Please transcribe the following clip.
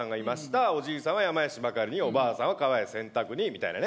おじいさんは山へしば刈りにおばあさはんは川へ洗濯にみたいなね。